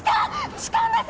痴漢です！